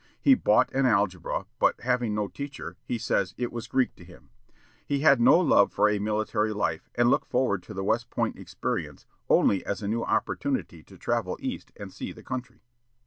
He bought an algebra, but, having no teacher, he says, it was Greek to him. He had no love for a military life, and looked forward to the West Point experience only as a new opportunity to travel East and see the country.